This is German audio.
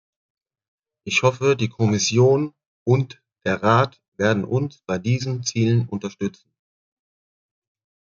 Ich hoffe, die Kommission und der Rat werden uns bei diesen Zielen unterstützen.